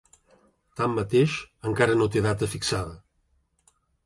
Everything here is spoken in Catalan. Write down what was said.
Tanmateix, encara no té data fixada.